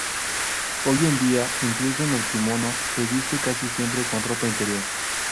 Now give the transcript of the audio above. Hoy en día, incluso el kimono, se viste casi siempre con ropa interior.